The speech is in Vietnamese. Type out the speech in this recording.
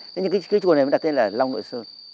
thế nhưng cái chùa này mới đặt tên là long nội sơn